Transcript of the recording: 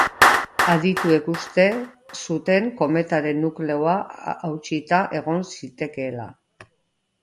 Adituek uste zuten kometaren nukleoa hautsita egon zitekeela.